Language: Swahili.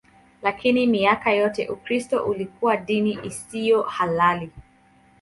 Lakini miaka yote Ukristo ulikuwa dini isiyo halali.